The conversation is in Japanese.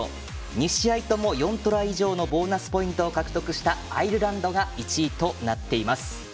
２試合とも、４トライ以上のボーナスポイントを獲得したアイルランドが１位となっています。